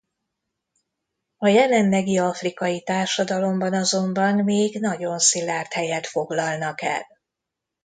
A jelenlegi afrikai társadalomban azonban még nagyon szilárd helyet foglalnak el.